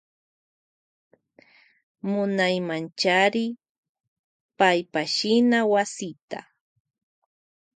Munaymanchari paypashna wasita.